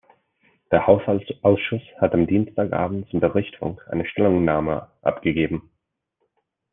Der Haushaltsausschuss hat am Dienstag abend zum Bericht Funk eine Stellungnahme abgegeben.